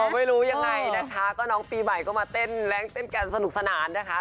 ไม่รู้ยังไงนะคะก็น้องปีใหม่ก็มาเต้นแรงเต้นกันสนุกสนานนะคะ